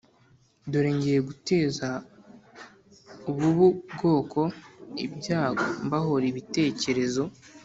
Dore ngiye guteza ab ubu bwoko ibyago mbahora ibitekerezo